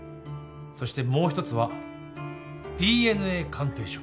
そしてもう一つはＤＮＡ鑑定書。